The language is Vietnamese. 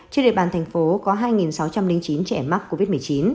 trên địa bàn thành phố có hai sáu trăm linh chín trẻ mắc covid một mươi chín